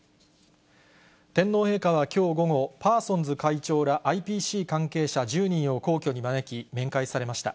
天皇陛下はきょう午後、パーソンズ会長ら、ＩＰＣ関係者１０人を皇居に招き、面会されました。